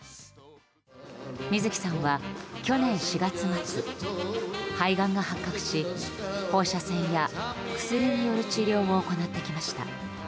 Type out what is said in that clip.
水木さんは去年４月末肺がんが発覚し放射線や薬による治療を行ってきました。